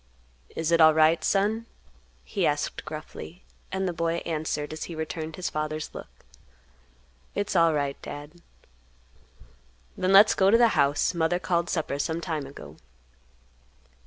"Is it alright, son?" he asked gruffly; and the boy answered, as he returned his father's look, "It's alright, Dad." "Then let's go to the house; Mother called supper some time ago."